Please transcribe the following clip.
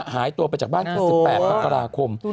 หายตัวไปจากบ้านเกิด๑๘มกราคม